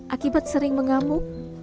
akibat sering mengamuk